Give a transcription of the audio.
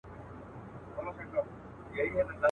ډېر پخوا د نیل پر غاړه یو قاتل وو.